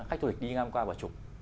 khách thuộc địch đi ngang qua và chụp